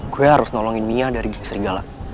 gue harus nolongin mia dari gigi serigala